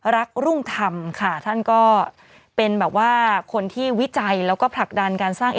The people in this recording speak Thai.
รุ่งธรรมค่ะท่านก็เป็นแบบว่าคนที่วิจัยแล้วก็ผลักดันการสร้าง